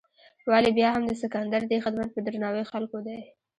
ولې بیا هم د سکندر دې خدمت په درناوي خلکو دی.